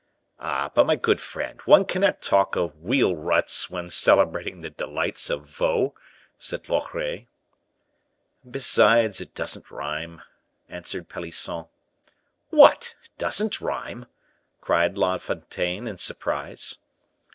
"Ah, but, my good friend, one cannot talk of wheel ruts when celebrating the delights of Vaux," said Loret. "Besides, it doesn't rhyme," answered Pelisson. "What! doesn't rhyme!" cried La Fontaine, in surprise.